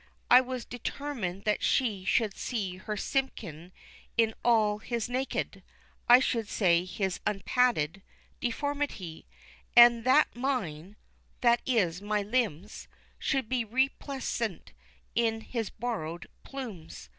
I was determined that she should see her Simpkin in all his naked I should say his unpadded deformity, and that mine that is, my limbs should be resplendent in his borrowed plumes.